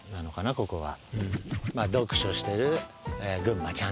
ここは。